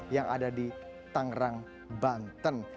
yang ada di tangerang banten